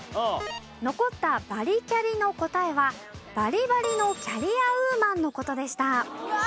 残ったバリキャリの答えはバリバリのキャリアウーマンの事でした。